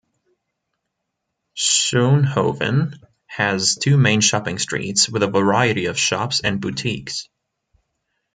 Schoonhoven has two main shopping streets with a variety of shops and boutiques.